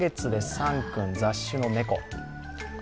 サン君、雑種の猫。